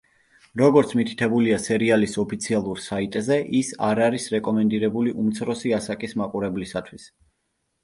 როგორც მითითებულია სერიალის ოფიციალურ საიტზე, ის არ არის რეკომენდებული უმცროსი ასაკის მაყურებლისათვის.